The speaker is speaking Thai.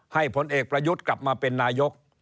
ผลเอกประยุทธ์กลับมาเป็นนายก